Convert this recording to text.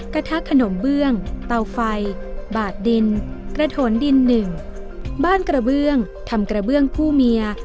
กระทะขนมเบื้องเตาไฟบาดดินกระโถนดินหนึ่งบ้านกระเบื้องทำกระเบื้องผู้เมีย